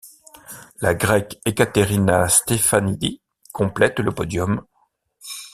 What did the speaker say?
La Grecque Ekateríni Stefanídi complète le podium.